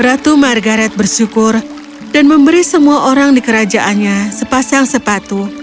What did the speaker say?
ratu margaret bersyukur dan memberi semua orang di kerajaannya sepasang sepatu